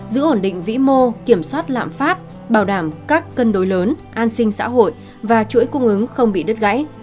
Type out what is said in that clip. giữ ổn định vĩ mô kiểm soát lạm phát bảo đảm các cân đối lớn an sinh xã hội và chuỗi cung ứng không bị đứt gãy